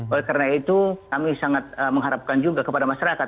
oleh karena itu kami sangat mengharapkan juga kepada masyarakat